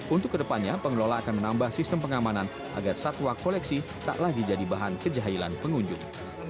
untuk kedepannya pengelola akan menambah sistem pengamanan agar satwa koleksi tak lagi jadi bahan kejahilan pengunjung